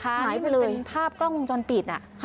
ขายไปเลยที่เป็นภาพกล้องจนปิดอ่ะค่ะ